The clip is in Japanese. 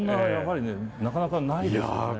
なかなかないですよね。